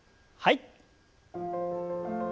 はい。